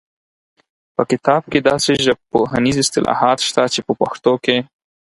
په کتاب کې داسې ژبپوهنیز اصطلاحات شته چې په پښتو کې